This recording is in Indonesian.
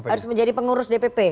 harus menjadi pengurus dpp